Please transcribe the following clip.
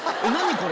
これ！